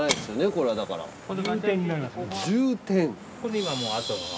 これで今もうあとは。